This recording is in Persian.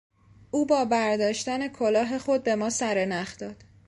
او با برداشتن کلاه خود به ما سر نخ داد.